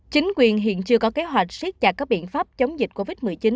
chính quyền hiện chưa có kế hoạch siết chặt các biện pháp chống dịch covid một mươi chín